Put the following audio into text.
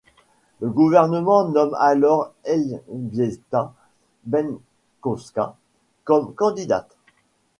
Le gouvernement nomme alors Elżbieta Bieńkowska comme candidate.